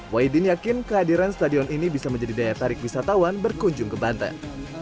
wahidin yakin kehadiran stadion ini bisa menjadi daya tarik wisatawan berkunjung ke banten